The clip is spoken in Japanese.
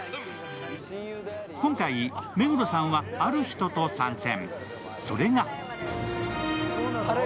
今回、目黒さんは、ある人と参戦。